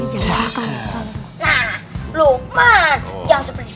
jangan seperti superman